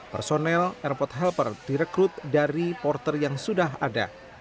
personel airport helper direkrut dari porter yang sudah ada